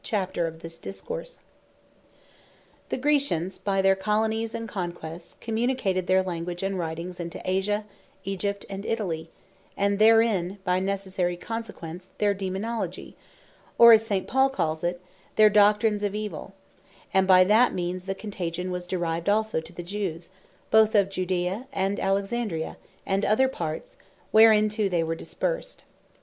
Chapter of this discourse. How That Doctrine Was Spread The Graecians, by their Colonies and Conquests, communicated their Language and Writings into Asia, Egypt, and Italy; and therein, by necessary consequence their Daemonology, or (as St. Paul calles it) "their Doctrines of Devils;" And by that meanes, the contagion was derived also to the Jewes, both of Judaea, and Alexandria, and other parts, whereinto they were dispersed.